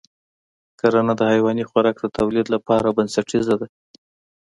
کرنه د حیواني خوراک د تولید لپاره بنسټیزه ده.